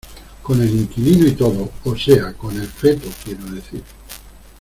con el inquilino y todo, o sea , con el feto quiero decir.